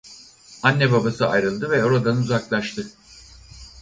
Anne babası ayrıldı ve oradan uzaklaştı.